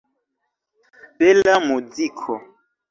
Bela muziko!